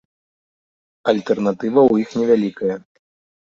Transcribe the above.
Альтэрнатыва ў іх невялікая.